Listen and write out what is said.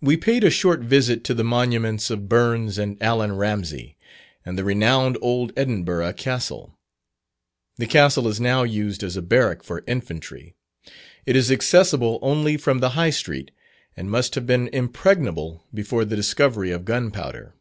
We paid a short visit to the monuments of Burns and Allan Ramsay, and the renowned old Edinburgh Castle. The Castle is now used as a barrack for Infantry. It is accessible only from the High Street, and must have been impregnable before the discovery of gunpowder.